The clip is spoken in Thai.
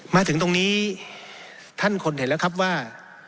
มาถึงตรงนี้ท่านคนเห็นแล้วครับว่า